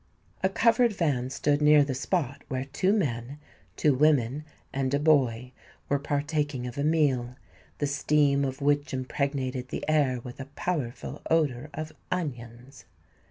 A covered van stood near the spot where two men, two women, and a boy were partaking of a meal, the steam of which impregnated the air with a powerful odour of onions.